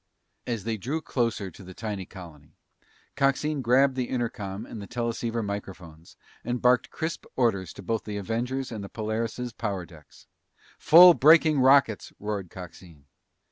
As they drew closer to the tiny colony, Coxine grabbed the intercom and the teleceiver microphones and barked crisp orders to both the Avengers and the Polaris' power decks. "Full braking rockets!" roared Coxine.